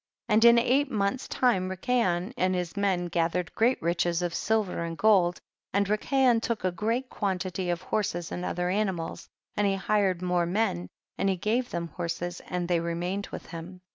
And in eight months time Ri kayon and his men gathered great riches of silver and gold, and Rikay on took a great quantity of horses and other animals, and he hired more men, and he gave them horses and they temained with him.